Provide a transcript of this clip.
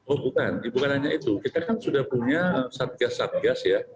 oh bukan bukan hanya itu kita kan sudah punya satgas satgas ya